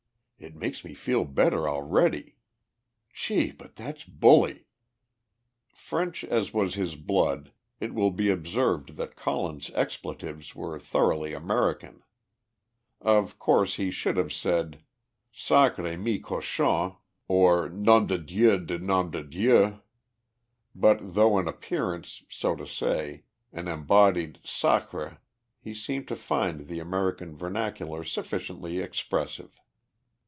It makes me feel better already. Gee! but that's bully." French as was his blood, it will be observed that Colin's expletives were thoroughly American. Of course, he should have said sacré mille cochons or nom de Dieu de nom de Dieu; but, though in appearance, so to say, an embodied "sacré" he seemed to find the American vernacular sufficiently expressive.